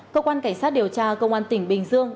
cơ quan cảnh sát điều tra công an tỉnh bình dương